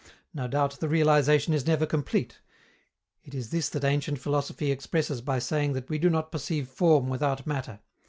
No doubt the realization is never complete: it is this that ancient philosophy expresses by saying that we do not perceive form without matter.